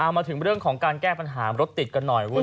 มาถึงเรื่องของการแก้ปัญหารถติดกันหน่อย